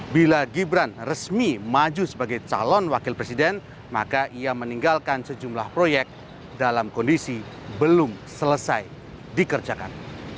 bila gibran resmi maju sebagai calon wakil presiden maka ia meninggalkan sejumlah proyek dalam kondisi belum selesai dikerjakan